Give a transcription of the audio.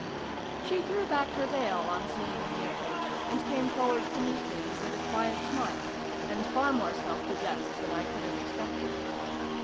She threw back her veil on seeing me ap proach, and came forwards to meet me, with a quiet smile, and far more self possessed than I could have expected.